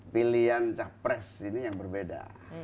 pilihan capres ini yang berbeda